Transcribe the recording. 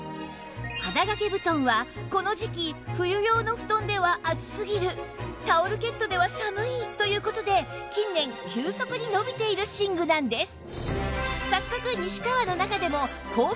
肌掛け布団はこの時季冬用の布団では暑すぎるタオルケットでは寒いという事で近年急速に伸びている寝具なんです